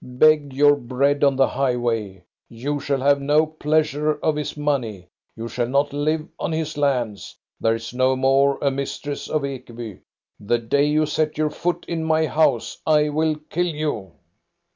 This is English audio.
" Beg your bread on the highway! You shall have no pleasure of his money, you shall not live on his lands. There is no more a mistress of Ekeby. The day you set your foot in my house I will kill you.